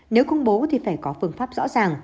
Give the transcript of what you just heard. nếu công bố thì phải có phương pháp rõ ràng